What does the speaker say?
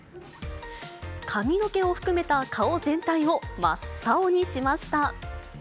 髪の毛を含めた顔全体を真っ青にしました。